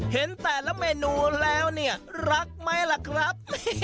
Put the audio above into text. เห็นแต่ละเมนูแล้วเนี่ยรักไหมล่ะครับ